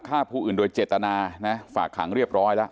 ฆ่าผู้อื่นโดยเจตนานะฝากขังเรียบร้อยแล้ว